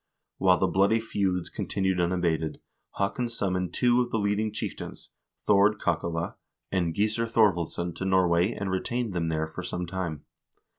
While the bloody feuds continued unabated, Haakon summoned two of the leading chieftains, Thord Kakale and Gissur Thorvaldsson, to Norway and retained them there for some time.